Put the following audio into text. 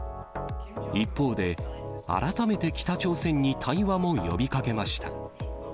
一方で、改めて北朝鮮に対話も呼びかけました。